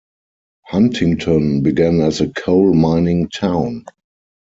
Huntington began as a coal mining town.